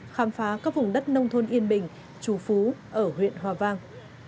khám phá các vùng đất nông thôn yên bình trù phú ở huyện hòa vang